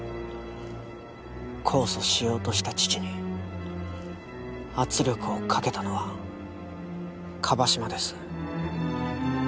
控訴しようとした父に圧力をかけたのは椛島です。